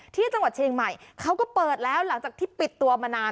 ที่จังหวัดเชียงใหม่เขาก็เปิดแล้วหลังจากที่ปิดตัวมานาน